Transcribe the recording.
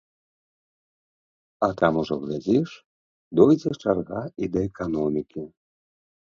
А там ужо, глядзіш, дойдзе чарга і да эканомікі.